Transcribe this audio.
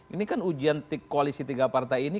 ini kan ujian koalisi tiga partai ini